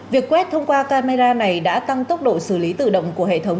việc quét thông qua camera này đã tăng tốc độ xử lý tự động của hệ thống